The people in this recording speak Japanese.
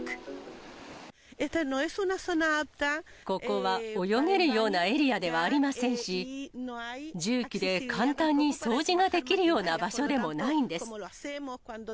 ここは泳げるようなエリアではありませんし、重機で簡単に掃除ができるような場所でもないんです。